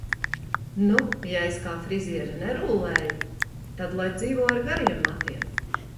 Nu - ja es kā friziere nerullēju, tad lai dzīvo ar gariem matiem.